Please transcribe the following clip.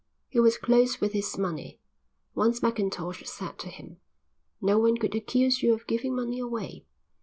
He was close with his money. Once Mackintosh said to him: "No one could accuse you of giving money away."